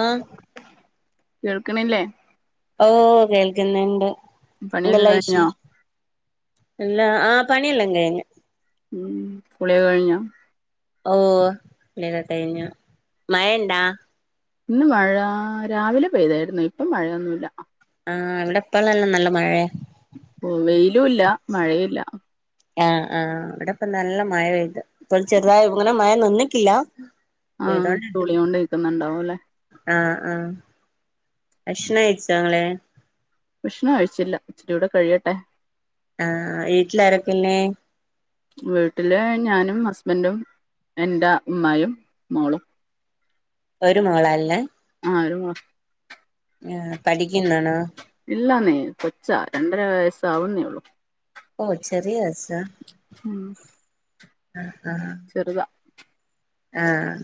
ആഹ് കേൾക്ക്ണില്ലേ? ഓ കേൾക്കുന്ന്ണ്ട്. പണിയൊക്കെ എന്തെല്ലാം കഴിഞ്ഞോ വിശേ ഇല്ല ആഹ് പണിയെല്ലം കഴിഞ്ഞ് ഉം കുള്യൊക്കെ കഴിഞ്ഞോ ഓഹ് കുള്യൊക്കെ കഴിഞ്ഞു. മയണ്ടാ ഇന്ന് മഴാ രാവിലെ പെയ്തായിരുന്നു ഇപ്പം മഴയൊന്നുല്ല ആഹ് ഇവിടെപ്പള്ളെല്ലം നല്ല മഴയാ ഓഹ് വെയിലുല്ല മഴയുല്ല. ആഹ് ആഹ് വിടെപ്പ നല്ല മഴ പെയ്ത്. ഇപ്പോൾ ചെറുതായി ഇങ്ങനെ മഴ നിന്നിക്കില്ല. ആഹ് പെയ്തോണ്ടിണ്ട് പുളിയോണ്ടെക്കുന്നുണ്ടാവും ല്ലേ. ആഹ് ആഹ് ഭക്ഷണയ്ച്ച ഇങ്ങളെ ഭഷ്ണം കഴിച്ചില്ല ഇച്ചിരി കൂടെ കഴിയട്ടെ. ആഹ് ഏട്ട്ല് ആാരൊക്കെള്ളെ? വീട്ടില് ഞാനും ഹസ്ബൻറും എന്റെ ഉമ്മായും മോളും. ഒരു മോളാള്ളേ? ആഹ് ഒരു മോ. ഏഹ് പഠിക്കുന്നാണോ? ഇല്ലാന്നെ കൊച്ചാ രണ്ടര വയസ്സാവുന്നേ ഉള്ളു. ഓ ചെറിയൊച്ച ഉം, ആഹ് ആഹ് ചെറുതാ. ആഹ്.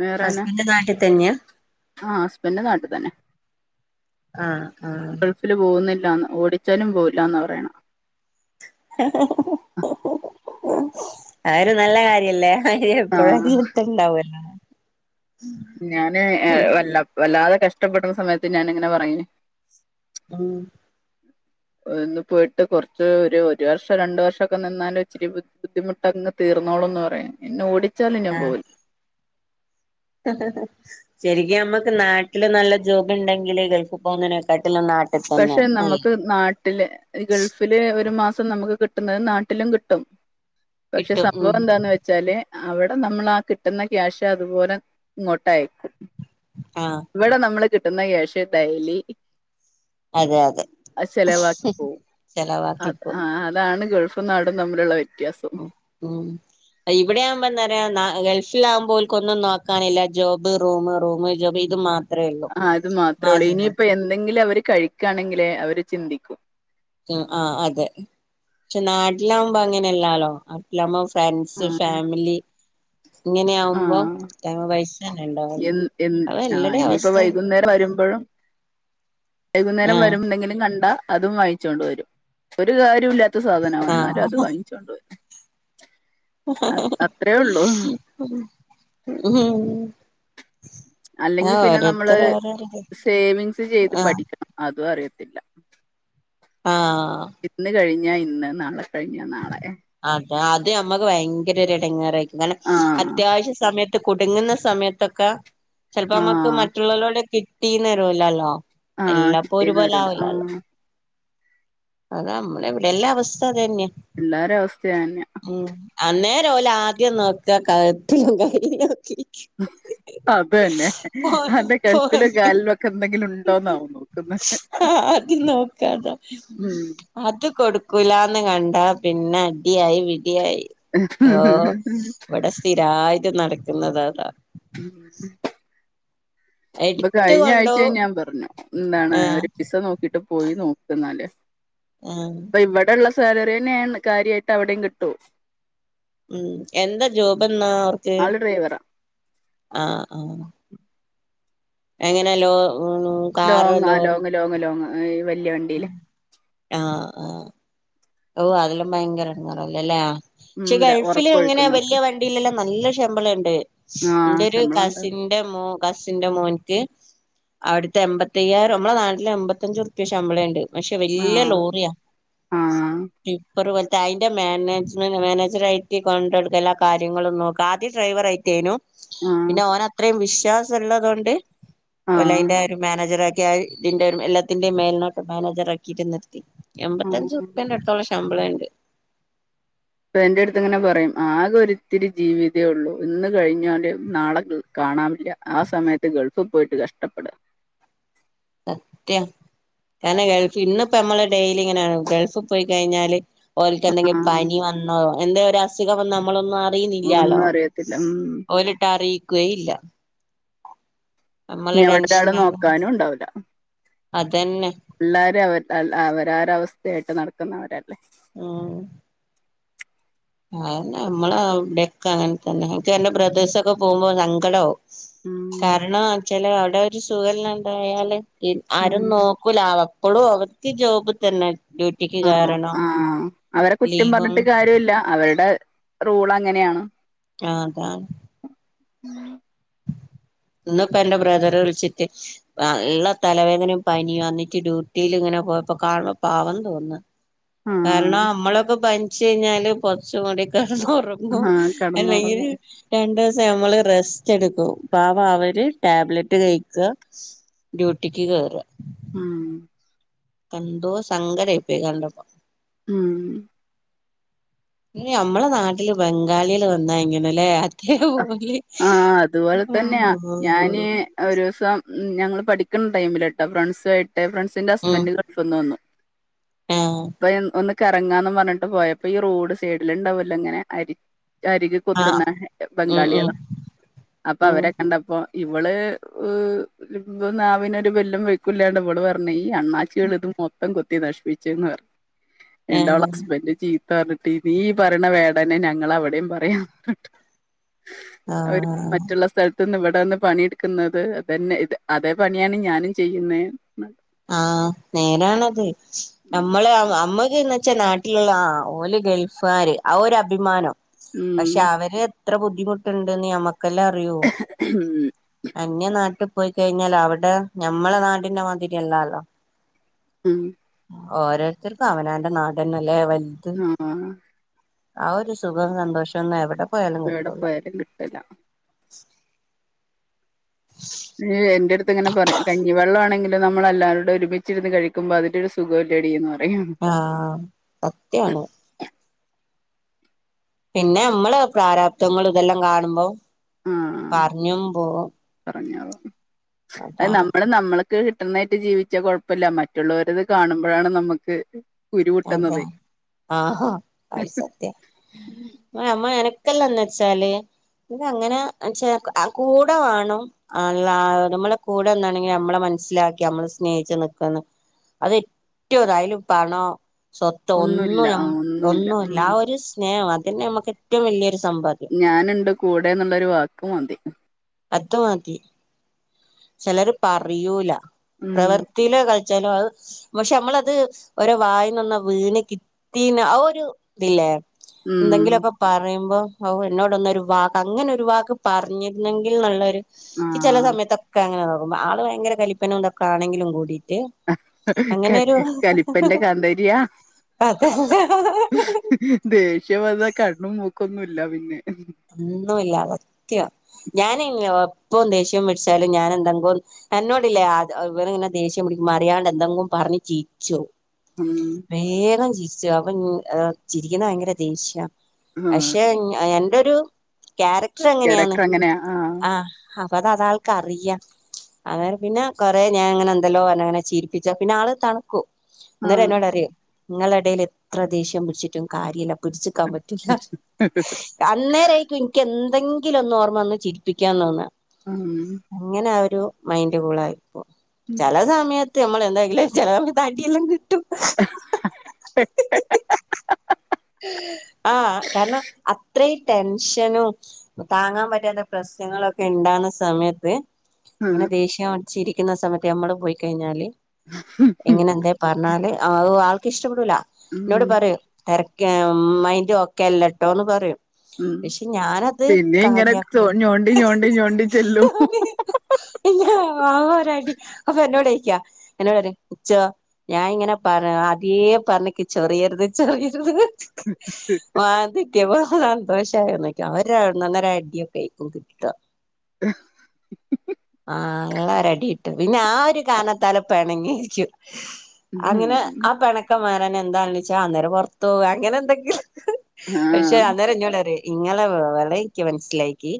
വേറെ ഹസ്ബൻഡ് നാട്ടിൽ തന്നെയാ? ആ ഹസ്ബൻഡ് നാട്ടിൽ തന്നെ ആഹ് ആഹ്. ഗൾഫിൽ പോകുന്നില്ലന്ന് ഓടിച്ചാലും പോവില്ലന്ന പറയ്ണ്. [unintelligible] അതരു ഒരു നല്ല കാര്യല്ലേ. ആഹ് എപ്പഴാ ആ ഞ്ഞി എട്ത്ത്ണ്ടാവല്ലാ. ഞാന് ഏഹ് വല്ല വല്ലാതെ കഷ്ടപ്പെട്ട സമയത്ത് ഞാനിങ്ങനെ പറയെ. ഉംഹ്. ഒന്ന് പോയിട്ട് കൊർച്ച് ഒരു ഒരു വർഷം രണ്ട് വർഷൊക്കെ നിന്നാലും ച്ചിരി ബുദ്ധിമുട്ടൊന്ന്. തീർന്നോളുംന്ന് പറയാ എന്നെ ഓടിച്ചാലും ഞാൻ ആഹ് പോവില്ല. ശരിക്കും നമ്മക്ക് നാട്ടില് നല്ല ജോബ് ഉണ്ടെങ്കില് ഗൾഫ് പോകുന്നതിനെക്കാട്ടു നാട്ട. പക്ഷെ നമുക്ക് നാട്ടില് ഗൾഫില് ഒരു മാസം നമുക്ക് കിട്ടുന്നത് നാട്ടിലും കിട്ടും. പക്ഷെ കിട്ടും സംഭവം ഉം എന്താന്ന് വെച്ച. ച്ചാല് അവിടെ നമ്മളാ കിട്ടുന്ന ക്യാഷ് അതുപോലെ ഇങ്ങോട്ടയക്കും. ആഹ്. ഇവിടെ നമ്മള് കിട്ടുന്ന കേശ് ടൈലി. അതെ അതെ അത് ചെലവാക്കി പോവും അഹ് ചെലവാക്കിപ്പോ ആഹ് അതാണ് ഗൾഫ്. ഫും നാടും തമ്മിലുള്ള വ്യത്യാസം. ഉംഹ്. ഇവിടെയാവുമ്പോ എന്ത റയാ നാ ഗൾഫിലാകുമ്പോൽക്കൊന്നും നോക്കാനില്ല ജോബ് റൂം റൂം ജോബ് ഇത് മാ. ആഹ് അത് മാത്രേ ഉള്ളൂ. ഇനിയിപ്പം എന്തെങ്കിലും അവര് കഴിക്കാണെങ്കിലേ അവര് ചിന്തിക്കൂ. ഉം ആഹ് അതെ ക്ഷെ നാട്ടിലാകുമ്പോ അങ്ങനെല്ലാലോ നാട്ടിലാമ്പോ ഫ്രണ്ട്സ് ആഹ് ഫാമിലി ഇങ്ങനെയാവുമ്പോ ആഹ് കൈമ പൈ. എൻ എൻ ആഹ് ഇനിയിപ്പോ അവസ്ഥ വൈകുന്നേരം വരുമ്പോഴും. വൈകുന്നേരം ആഹ് വരുംമ്പോ എന്തെങ്കിലും കണ്ടാ അതും വായി. ങ്ങിച്ചോണ്ട്‌വരും ഒരു കാര്യവുല്ലാത്ത സാധനാവും ന്നാലും അത് ആഹ് വാങ്ങിച്ചൊണ്ട് വരും. അഹ് അത്രയേ ഉള്ളൂ. ഉം ഉംഹ്. അല്ലെങ്കിൽ പിന്നെ നമ്മള് ഓരോരിത് സേവിങ്സ് ചെയ്ത് ആഹ് പഠിക്കണം. അതും അറിയത്തില്ല. ആഹ്. ഇന്ന് കഴിഞ്ഞാ ഇന്ന് നാളെ കഴിഞ്ഞ നാളെ. അത് അത് നമ്മക്ക് ഭയങ്കര രു എടങ്ങേറായിരിക്കും കാരണം ആഹ് അത്യാവശ്യ സമയ. ത്ത് കുടുങ്ങുന്ന സമയത്തൊക്കെ ചെലപ്പോ നമ്മക്ക് ആഹ് മറ്റുള്ളോലോട് കിട്ടീന്നരൂലല്ലോ. ആഹ് എല്ലാപ്പം കിട്ടിയെന്ന് ഒരുപോലെ വരൂല ആവില്ലാല്ലോ. ആഹ് അത് നമ്മുടെ ഇവിടെ എല്ലാ അവസ്ഥ അതന്നെ. എല്ലാരിം അവസ്ഥ അയന്നെ. ഉം അന്നേര പോലെ ആദ്യം നോക്ക കട്ടിലും കൈ നോക്കി അത് തന്നെ അന്റെ കഴുത്തില പോരും കാലിലൊക്കെ എന്തെങ്കിലും ഉണ്ടോന്നാവുന്നു ആഹ് അദ്യം നോക്കാത ഉം അത് കൊടുക്കൂലന്ന് കണ്ട പിന്നെ അടിയായി വിടിയായി [unintelligible] തായിട്ട് നടക്കുന്നത് അതാ ഉം [unintelligible] ഇപ്പൊ എടുത്ത് കഴിഞ്ഞ ആഴ്ച കൊണ്ടോവും ഞാൻ പറഞ്ഞു എന്താണ് ആഹ് ഒരു വിസ നോക്കി ട്ട് പോയി നോക്ക് ന്നാല് ആഹ് അപ്പൊ ഇവിടെള്ള സാലറി തന്നെയാണ് കാര്യമായിട്ട് അവിടെയും കിട്ടുവ ഉം എന്താ ജോബ് എന്നാ അവർക്ക് ആള് ഡ്രൈവറാ ആഹ് എങ്ങനെയല്ലോ ലോങ് ആ ലോങ്ങ് ലോങ് ലോങ്ങ് വല്യ വണ്ടി ആഹ് ആ ഓഹ അതെല്ലാം ഭയങ്കര എടങ്ങറല്ലല്ലേ ഉം പക്ഷെ ര- ഗൾഫില് ഇങ്ങനെ ഉറക്കൊഴിക്കുന്നൊക്കെ വലിയ വണ്ടില്ലെല്ലാം നല്ല ശമ്പളം ഉണ്ട് ആ എന്റെ ഒരു ശമ്പളം ഉണ്ട് കാസിൻ മോ കസിന്റെ മോൻക്ക് അവിടുത്തെ എമ്പത്തയ്യായിരം നമ്മളെ നാട്ടിലെ എമ്പത്തഞ്ച് ഉറുപ്പ്യ ശമ്പളംണ്ട് പക്ഷെ വല്യ ലോറിയാ ആഹ് ടിപ്പർ പോൽത്തെ അതിന്റെ മാനേജ്മെന് മാനേജർ ആയിട്ട് കൊണ്ടടുക്ക എല്ലാ കാര്യങ്ങളും നോക്കി ആദ്യം ഡ്രൈവർ ആയിട്ടയ്നോ ആ പിന്നെ ഓന അത്രയും വിശ്വാസ ഉള്ളതൊണ്ട് ആ ഓലൈന്റെ ഒരു മാനേജർ ആ ക്കെ ആയി ഇതിന്റെ എല്ലാത്തിന്റെയും മേലിനൊക്കെ മാനേജർ ആക്കിയിട്ട് നിർത്തി ആ എൺമ്പത്തഞ്ചു ടുത്തുള്ള ശമ്പളം ഉണ്ട് അപ്പ എന്റെ അടുത്ത് ഇങ്ങനെ പറയും ആകെ ഒത്തിരി ജീവിതേ ഉള്ളൂ ഇന്ന് കഴിഞ്ഞല് നാളെ കാണാ ഇല്ല ആ സമയത്ത് ഗൾഫിൽ പോയിട്ട് കഷ്ടപ്പെടുക സത്യം കാരണം ഗൾഫ് ഇന്നിപ്പോ നമ്മള് ഡെയിലി ഇങ്ങനെയാണ് ഗൾഫിൽ പോയി കഴിഞ്ഞാല് ഓൽക്ക് എന്തെങ്കിലും ആഹ് പനി വന്നോ എന്ത ഒരു അസുഖം നമ്മളൊന്ന ഒന്നും അറുന്നില്ലാലോ അറിയത്തില്ല ഉം ഓലട്ട അറിയിക്കുകേ ഇല്ല നമ്മളെ ഇനി എവിടെരാള് ടെൻഷനാണ് നോക്കാനും ഉണ്ടാവുല അതന്നെ എല്ലാരും അവ അവരര അവസ്ഥയായിട്ട് നടക്കുന്നവരല്ലേ ആഹ് അെ നമ്മള ഇടെക്ക അങ്ങനെ തന്നെ എനിക്ക് എന്റെ ബ്രദേഴ്സൊക്കെ പോകുമ്പോ സങ്കടമാവും ഉം കാരണംച്ചല് അവിടെ ഒരു സുഖല്ലാണ്ടായാല് ആരും നോക്കൂല അപ്പോഴും അവർക്ക് ജോബിൽ തന്നെ ഡ്യൂട്ടിക്ക് ആ കേറണം ആഹ അവരെ കുറ്റം ലീവും പറഞ്ഞിട്ട് കാര്യമല്ല അവരുടെ റൂൾ അങ്ങനെയാണ് ആ അതാ ഉം ഇന്ന് ഇപ്പ എന്റെ ബ്രദറ് വിളിച്ചിട്ട നല്ല തലവേദനയും പനിയും വന്നിട്ട് ഡ്യൂട്ടിൽ ഇങ്ങനെ പോയപ്പോ കാണ പാവം തോന്നുന്നു ആഹ് കാരണം നമ്മളൊക്കെ പനിച്ച കഴിഞ്ഞാല് പൊത്ച്ച് മൂടി കടന്നൊറങ്ങും ആഹ് അല്ലെങ്കിൽ കടന്നുറങ്ങും രണ്ടു ദിവസം അമ്മള് റെസ്റ്റ് റ്റെടുക്കും പാവം അവര് ടാബ്ലറ്റ് കഴിക്ക ഡ്യൂട്ടിക്ക് കേയറാ ഉം എന്തേ സങ്കടായി പോയി കണ്ടപ്പം ഉം നമ്മളെ നാട്ടില് ബംഗാളികള് വന്ന എങ്ങനല്ലേ കെ ഓല് ആഹ് ഒരു ദിവസം ഞങ്ങൾ പഠിക്കുന്ന ടൈമിലിട്ടോ ഫ്രണ്ട്സ ആയിട്ട് ഫ്രണ്ട്സിന്റെ ഹസ്ബൻഡ് ഗൾഫിന്ന് വന്നു ഏഹ് ഇപ്പൊ ഒന്ന് കറങ്ങാന്ന് പറഞ്ഞിട്ട് പോയപ്പോ ഈ റോഡ് സൈഡിൽ ഇണ്ടാവല്ലോ ഇങ്ങനെ അരി അരിക ആഹ് കൊത്തുന്ന ഉം ഉം ബംഗാളിയളെ അപ്പൊ ഉം അവരെ കണ്ടപ്പോ ഇവള് നാവിനൊരു ബെല്ലും ബ്രെക്കുല്ലാണ്ട് ഇവള് പറഞ്ഞ് ഈ അണ്ണാച്ചിയൾ ഇത് മൊത്തം കൊത്തി നശിപ്പിച്ചുന്ന് പറഞ്ഞു ന്നന്റോളെ ആഹ് ഹസ്ബന്റ് ചീത്തർഞ്ഞ് ട്ടി ബി പറണ വേടനെ ഞങ്ങള അവിടെയും പറയാന്ന് പർഞ്ഞിട്ട് ഓര് ആഹ് മറ്റുള്ള സ്ഥല ഇവിടെ വന്ന് പണിട്ക്കുന്നത് അതന്നെ ഇ അതേ പണിയാണ് ഞാനും ചെയ്യുന്നേ ആഹ്‌ നേരാണത് നമ്മളെ നമ്മക്ക്ന്ന് വെച്ചാ നാട്ടിലുള്ള ആ ഓല് ഗൾഫാര് ആ ഒരു അഭിമാനം ഉം ക്ഷാവര് എത്ര ബുദ്ധിമുട്ടുണ്ട്ന്ന് ഞമ്മക്കല്ലേ അറിയൂ അന്യ നാട്ടി പോയി കഴിഞ്ഞാല അവിടെ ഞമ്മളെ നാടിന്റെ മാതിരി അല്ലാല്ലോ ഉം ഓരോരുത്തർക്ക് അവനാന്റെ നാടന്നല്ലെ വൽ ഉം. ആ ഒരു സുഖം സന്തോഷം ഒന്നു എവിട ഏടെ പോയാലും കിട്ടൂല ഏഹ എന്റെടുത്ത് ഇങ്ങനെ പറയു കഞ്ഞി വെള്ളാണെ നമ്മളെല്ലാരോടെ ഒരുമിച്ചിരു കഴിക്കുമ്പോ അതിന്റെരു സുഖല്ലോടി എന്ന് പറയും. ആഹ്‌ സത്യാണ് പിന്നെ നമ്മള് പ്രാരാബ്ദങ്ങൾ ഇതെല്ലാം കാണുമ്പം ആ പറഞ്ഞാവോ അത് അതാണ് നമ്മള് നമ്മള്. ക്ക് കിട്ടുന്നായിട്ട് ജീവിച്ചാ കൊഴപ്പല്ല മറ്റുള്ളോർത് കാണുമ്പഴാണ് നമ്മക്ക് അതെ ആഹഹ അയി സത്യ മാ മാ എനക്കല്ലന്ന് വെച്ചാല് ത് അങ്ങനെച്ച കൂടെ വേണം ആല്ല നമ്മടെ കൂടെ നിന്നേനെകി നമ്മളെ മനസ്സിലാക്കി നമ്മള് സ്നേഹിച് നികാന്ന് അതേറ്റു താ അയില് പണോ സൊത്തോ ഒന്നു ഒന്നുമില്ല ആ, ഒന്നുമില്ല ഒന്നുല്ല ഉം. ആ ഒരു സ്നേഹം അതെന്നെ നമ്മക്ക് ഏറ്റവും വലിയൊരു സംഭ ഞാന്ണ്ട് കൂടെ എന്നുള്ളരു വാക്ക് മതി അത് മതി ചേലർ പറയൂല ഉം പ്രവർത്തിയില കാ ച്ചാലോ അ പക്ഷെ നമ്മളത് ഓരോ വായിനൊന്ന് വീണ് കിട്ടീണെ ആ ഒരു തില്ലേ ഉം എന്തെങ്കിലൊക്കെ പറയുമ്പോ ഓ എന്നോടൊന്നൊരു വാ അങ്ങനെ ഒരു വാക്ക് പറഞ്ഞിരുന്നെങ്കിൽ ന്നുള്ളൊരു ക്ക് ചെല ആഹ് സമയത്തൊക്കെ അങ്ങനെ തൊന്നുമ്പ ആള് ഭയങ്കര കലിപ്പനും ഇതൊക്കെ ആണെങ്കിലും കൂടീട്ട് കലിപ്പന്റെ കാന്താരിയാ അതെ അതെ ദേഷ്യം വന്നാ കണ്ണും മൂക്കൊന്നുല്ല പിന്നെ ഒന്നുല്ല സത്യം ഞാന എപ്പം ദേഷ്യം പിടിച്ചാലും ഞാൻ എന്തെങ്കും എന്നോടില്ലേ അ ഇവന് ഇങ്ങനെ ദേഷ്യം പിടിക്കുമ്പോ അറിയാണ്ട് എന്തെങ്കും പറഞ്ഞ് ചിര്ച്ചും ഉം വേഗം ചിരിച്ചു അപ്പൊ ചിരിക്കുന്നത് ഭയങ്കര ദേഷ്യ ആഹ് പശേ ആൻ ടൊരു ക്യാരക്ടർ അങ്ങനെയാണ് ക്യാരക്ടർ അങ്ങനെയാ ആഹ് ആ അപ്പ അത് അതാൾക്കാരിയാ. അങ്ങേ പിന്നെ കൊറേ ഞാൻ ഇങ്ങനെ എന്തല്ലോ പറഞ്ഞങ്ങനെ ചിരിപ്പിച്ചു പിന്നെ ആള് തണുക്കു. അന്നേരം ആഹ് എന്നോട് അറിയും ങ്ങളെടേൽ എത്ര ദേഷ്യം പിടിച്ചിട്ടും കാര്യല്ല പിടിച്ച്ക്കാൻ പ അന്നേരായിരിക്കും ഇൻക്ക് എന്തെങ്കിലും ഒന്ന് ഓർമ്മ വന്ന് ചിരിപ്പിക്കാൻ തോന്നാ. ഉം അങ്ങനെ ആ ഒരു മൈന്റ് കൂളായിപ്പോ ഉം ചെല സമയ ത്ത് നമ്മള എന്തായാലും ചെല സമയത്ത് അടിയെല്ലാം കിട്ടും ഹ ഹ ഹ ഹെ ആഹ്‌ കാരണം അത്രയും ടെൻഷനും താങ്ങാൻ പറ്റാത്ത പ്രശ്നങ്ങളൊക്കെ ഉണ്ടാന്ന സമയത്ത് ഇങ്ങനെ ദേഷ്യം അടിച്ചിരിക്കുന്ന സമയത്ത് നമ്മള് പോയി കഴിഞ്ഞാല് എങ്ങനെ എന്തെ. പറഞ്ഞാല് അവ് ആൾക്ക് ഇഷ്ടപ്പെടൂല ന്നോട് ഉം പറിം തെ ക്കെ മൈന്റ് ഒക്കെ അല്ലട്ടോന്ന് പറിം ഉം പക്ഷെ ഞാനത് പിന്നെ ഇങ്ങനെ ചോ കാര്യാക്ക്‌ണില്ല ഞോണ്ടി ഞോണ്ടി ഞോണ്ടി ചെല്ലും [unintelligible] [unintelligible] വാ വൊരടി അപ്പൊ ഓൻന്നോടോയിക്ക്യ ങ്ങനെ പറിം ഇച്ചോ ഞാൻ ഇങ്ങനെ പറഞ്ഞ അദ്യേ പറഞ്ഞ്ക്ക് ചെറിയരുത് ചെറിയരുത് ന്ന് ആത് ട്ടിയെപ്പോ സന്തോഷാന്ന് ക്ക്‌ അവര ന്നൊന്നര അടിയൊകെക്കും ൻക് കിട്ടാ ആഹ് ങ്ങളെ ഒരടി ട്ട് പിന്നെ ആ ഒരു കാരണത്താല് പെണങ്ങിയിരിക്കും അങ്ങനെ ആ പെണ ക്കമാരന്ന് എന്താ ണ്ച്ചാ അന്നേരം പൊർത്ത് പോവാ അങ്ങനെ എന്തെങ്കിലും പഷേ ആഹ് അന്നേരംഞ്ഞോടറിം ഇങ്ങളെ വെളയിക്ക് മനസ്സിലായിക്കി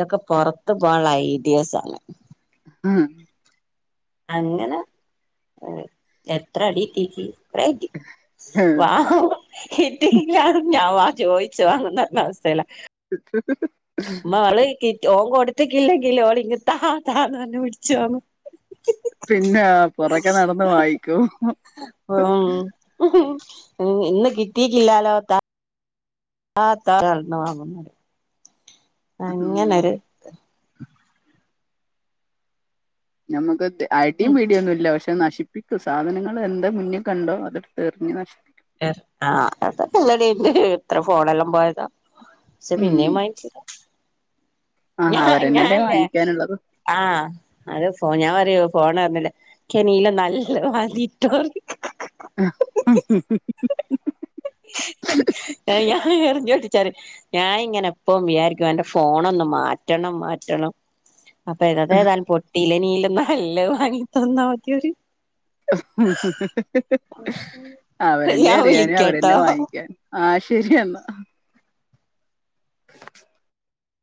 തൊക്കെ പൊറത്ത് പോവാള്ള ഐഡിയാസാണ് [unintelligible] അങ്ങനെ എത്ര അടിട്ടീക്ക് അ [unintelligible] തി വാ [unintelligible] കിട്ടീക്ക്‌ല്ല ന്ന് ഞാൻ ആ ചോദിച്ചു വാങ്ങുന്നറഞ്ഞ അവസ്തേല [unintelligible] മ്മോ [unintelligible] ളേയ്ക്കിറ്റ് ഓൻ കൊടുത്തക്കില്ലെങ്കില് ഓളിങ്ങ് ത്താ ത്താ ന്ന് പറഞ് പിടിച്ച് വാങ്ങും പിന്നെ പുറകെ നടന്ന് വാങ്ങിക്കും ഉം [unintelligible] ഇന്ന് കിട്ടീക്കില്ലാലോ ത ത്താ ന്ന് [unintelligible] വാങ്ങും ന്നറിയ ഉം അങ്ങനരു ഞമ്മക്ക്‌ ത് അടിം പിടിയൊന്നുല്ല പഷേ നശി പ്പിക്കും സാധനങ്ങൾ എന്താ മുന്നിൽ കണ്ടോ അതെട്ത്ത് എറിഞ്ഞ് നശി [unintelligible] ആഹ് അതൊക്കെ ഇവടിം ണ്ട് എത്ര ഫോണെല്ലാം പോയതാ ഷേ ഉം പിന്നേം വാങ്ങിചെരും ഞ ആഹ് അവരെന്നെല്ലേ ഞായില്ലേ വാങ്ങിക്കാനുള്ളത് ആഹ് അത് ഞാൻ പറയു ഫോണെർഞ്ഞ്ല്ലെ ക്ക്‌ ല്ലെ നല്ലെ വാങ്ങിറ്റോറിം [unintelligible] അ [unintelligible] [unintelligible] ഞാ എറിഞ്ഞോട്ടിച്ചാറിം ഞായിങ്ങനെ എപ്പൊവും വിചാരിക്കും എന്റെ ഫോണൊന്നു മാ റ്റണം മാറ്റണം അപ്പൊ ഇതത് ഏതായാലും പൊട്ടീലെ ഇനിയീലും ന നല്ലത് വാങ്ങിത്തന്നാ മതി റിം [unintelligible] അവരെന്നെ ഞാൻ എറിയാനും അവരെന്നെ വിളിക്കാട്ടോ വാങ്ങിക്ക്യാനും ആഹ് ശരിയെന്നാ [inaudible]